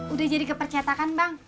udah jadi kepercetakan bang